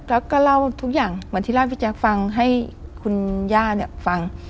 แล้วก็เล่าทุกอย่างเหมือนที่เล่าให้พี่แจ๊คฟังให้คุณย่าเนี่ยฟัง